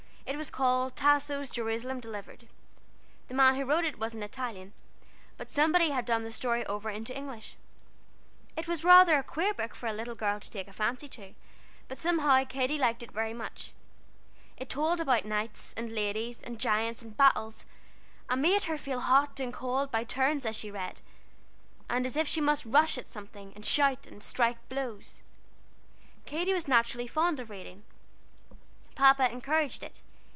It was called Tasso's Jerusalem Delivered. The man who wrote it was an Italian, but somebody had done the story over into English. It was rather a queer book for a little girl to take a fancy to, but somehow Katy liked it very much. It told about knights, and ladies, and giants, and battles, and made her feel hot and cold by turns as she read, and as if she must rush at something, and shout, and strike blows. Katy was naturally fond of reading. Papa encouraged it.